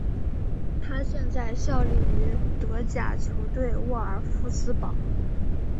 他现在效力于德甲球队沃尔夫斯堡。